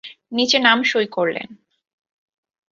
নিচে নাম সই করলেন।